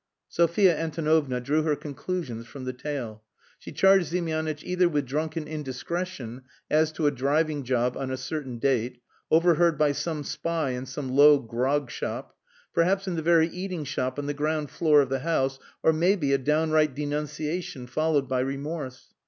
Sophia Antonovna drew her conclusions from the tale. She charged Ziemianitch either with drunken indiscretion as to a driving job on a certain date, overheard by some spy in some low grog shop perhaps in the very eating shop on the ground floor of the house or, maybe, a downright denunciation, followed by remorse.